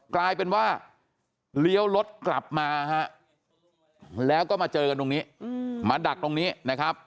กลายเป็นว่าเลี้ยวรถกลับมาฮะแล้วก็มาเจอกันตรงนี้มาดักตรงนี้นะครับ